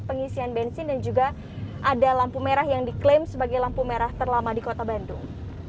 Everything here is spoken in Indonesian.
pengisian bensin dan juga ada lampu merah yang diklaim sebagai lampu merah terlama di kota bandung